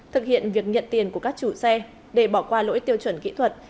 thực hiện việc nhận tiền của các chủ xe để bỏ qua lỗi tiêu chuẩn kỹ thuật